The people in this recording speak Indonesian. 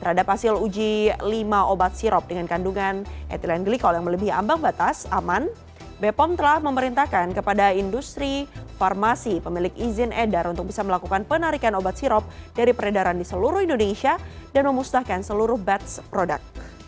terhadap hasil uji lima obat sirop dengan kandungan ethylene glycol yang melebihi ambang batas aman bepom telah memerintahkan kepada industri farmasi pemilik izin edar untuk bisa melakukan penarikan obat sirop dari peredaran di seluruh indonesia dan memusnahkan seluruh batch product